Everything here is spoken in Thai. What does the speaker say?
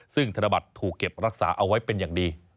ซึ่งธนบัตรถูกเก็บรักษาเอาไว้เป็นอย่างดี